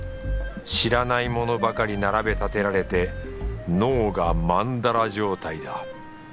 知らないものばかり並べ立てられて脳が曼荼羅状態だ。